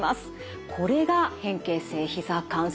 これが変形性ひざ関節症です。